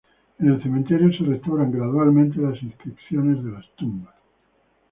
En el cementerio se restauran gradualmente las inscripciones de las tumbas.